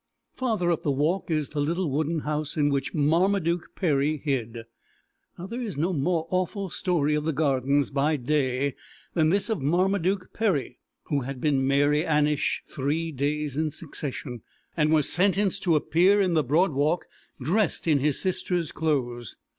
Farther up the walk is the little wooden house in which Marmaduke Perry hid. There is no more awful story of the Gardens by day than this of Marmaduke Perry, who had been Mary Annish three days in succession, and was sentenced to appear in the Broad Walk dressed in his sister's clothes.